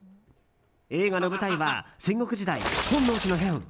映画の舞台は戦国時代、本能寺の変。